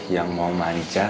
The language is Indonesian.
yang mau manja